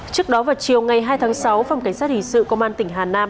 trước đó vào chiều ngày hai tháng sáu phòng cảnh sát hình sự công an tỉnh hà nam